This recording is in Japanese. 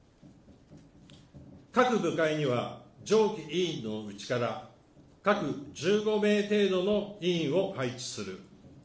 各部会には上記委員のうちから各１５名程度の委員を配置する。